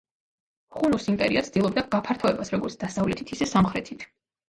ხუნუს იმპერია ცდილობდა გაფართოებას როგორც დასავლეთით ისე სამხრეთით.